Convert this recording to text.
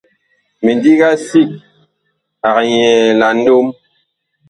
Mindiga sig ag nyɛɛ Nlom.